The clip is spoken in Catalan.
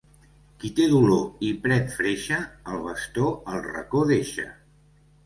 Qui té dolor i pren freixe, el bastó al racó deixa.